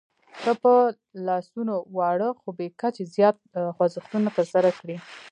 که په لاسونو واړه خو بې کچې زیات خوځښتونه ترسره کړئ